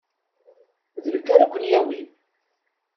D nekk ara ken-yawin.